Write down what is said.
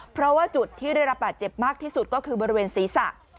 เพราะว่าจุดที่ได้รับบาดเจ็บมากที่สุดก็คือบริเวณศีรษะ